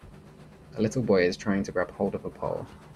A little boy is trying to grab hold of a pole.